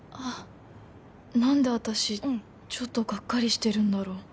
何で私ちょっとガッカリしてるんだろう